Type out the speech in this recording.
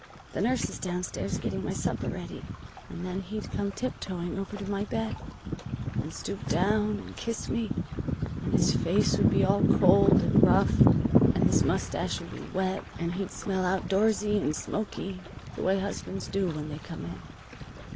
The nurse is downstairs, getting my supper ready.' "And then he'd come tiptoeing over to my bed, and stoop down, and kiss me, and his face would be all cold, and rough, and his mustache would be wet, and he'd smell out doorsy and smoky, the way husbands do when they come in.